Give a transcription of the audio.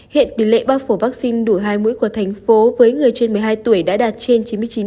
hiện tỷ lệ bao phủ vaccine đủ hai mũi của thành phố với người trên một mươi hai tuổi đã đạt trên chín mươi chín